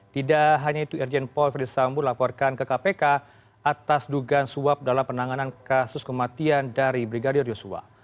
tidak hanya itu irjen paul ferdisambut laporkan ke kpk atas dugaan suap dalam penanganan kasus kematian dari brigadir yosua